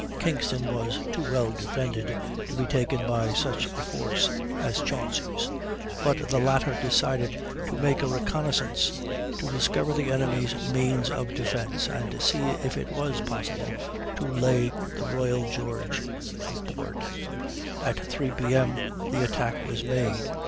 Kingston was too well defended to be taken by such a force as Chauncy's; but the latter decided to make a reconnaissance, to discover the enemy's means of defence and see if it was possible to lay the Royal George aboard. At 3 P.M. the attack was made.